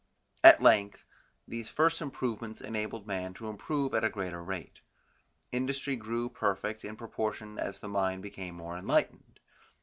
At length, these first improvements enabled man to improve at a greater rate. Industry grew perfect in proportion as the mind became more enlightened.